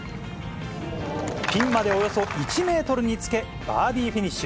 ピンまでおよそ１メートルにつけ、バーディーフィニッシュ。